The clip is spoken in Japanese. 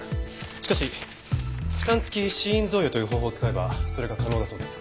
しかし負担付死因贈与という方法を使えばそれが可能だそうです。